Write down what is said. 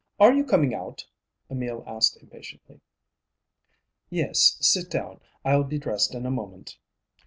Are you coming out?" Emil asked impatiently. "Yes, sit down. I'll be dressed in a moment."